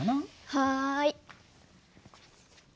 はい。